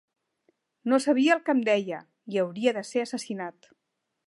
No sabia el que em deia, i hauria de ser assassinat.